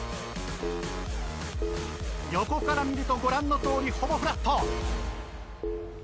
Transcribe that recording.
横から見るとご覧のとおりほぼフラット。